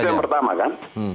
itu yang pertama kan